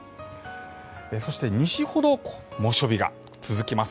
そして、西ほど猛暑日が続きます。